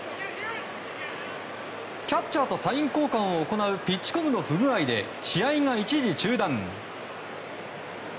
キャッチャーとサイン交換を行うピッチコムの不具合で試合が一時中断。